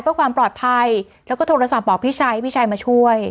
เพื่อความปลอดภัยแล้วก็โทรศัพท์บอกพี่ชัยพี่ชัยมาช่วย